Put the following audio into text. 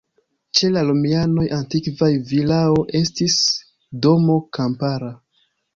Ĉe la romianoj antikvaj vilao estis domo kampara.